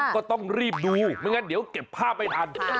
ก็ต้องรีบดูไม่งั้นเดี๋ยวเก็บภาพไม่ทัน